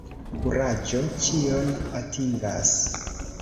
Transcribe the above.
Kuraĝo ĉion atingas.